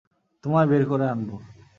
তোমায় বের করে আনব।